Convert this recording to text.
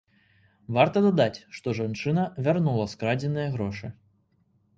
Варта дадаць, што жанчына вярнула скрадзеныя грошы.